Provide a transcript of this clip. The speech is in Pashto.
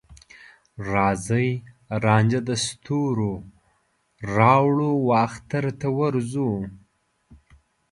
راځې رانجه د ستوروراوړو، واخترته ورځو